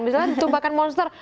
misalnya ditumpahkan monster